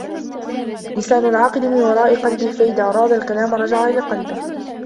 لِسَانُ الْعَاقِلِ مِنْ وَرَاءِ قَلْبِهِ فَإِذَا أَرَادَ الْكَلَامَ رَجَعَ إلَى قَلْبِهِ